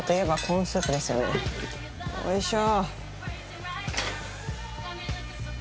よいしょ！